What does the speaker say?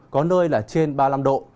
có nơi là trên ba mươi năm độ